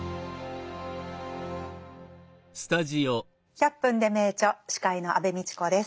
「１００分ｄｅ名著」司会の安部みちこです。